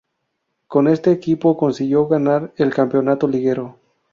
Con este equipo consiguió ganar el campeonato liguero.